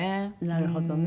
なるほどね。